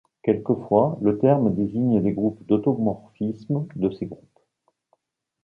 Quelquefois, le terme désigne les groupes d'automorphismes de ces groupes.